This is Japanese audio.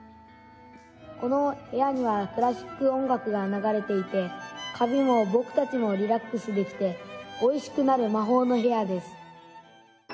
「この部屋にはクラシック音楽が流れていてカビも僕たちもリラックスできておいしくなる魔法の部屋です」。